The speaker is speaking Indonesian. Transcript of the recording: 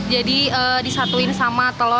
jadi disatuin sama telur